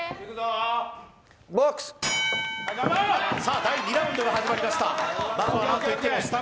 第２ラウンドが始まりました。